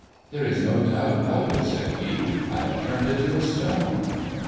"There is no doubt about it," said he; "I have turned into a stone."